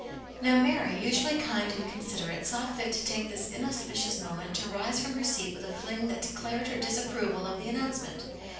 Now Mary, usually kind and considerate, saw fit to take this inauspicious moment to rise from her seat with a fling that declared her disapproval of the an nouncement.